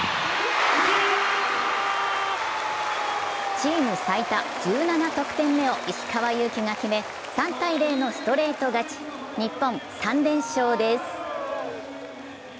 チーム最多１７得点目を石川祐希が決め、３−０のストレート勝ち日本、３連勝です。